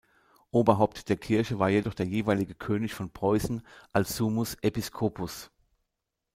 Oberhaupt der Kirche war jedoch der jeweilige König von Preußen als summus episcopus.